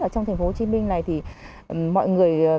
trong thành phố hồ chí minh này thì mọi người